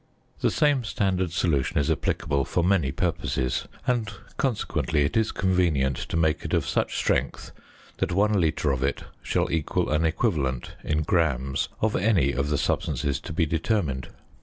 The same standard solution is applicable for many purposes, and, consequently, it is convenient to make it of such strength that one litre of it shall equal an equivalent in grams of any of the substances to be determined.